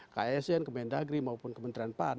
ksn kementerian negeri maupun kementerian pan